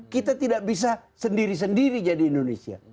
kita tidak bisa sendiri sendiri jadi indonesia